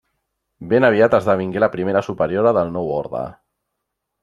Ben aviat esdevingué la primera superiora del nou orde.